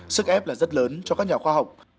sức ép là rất lớn cho các nhà khoa học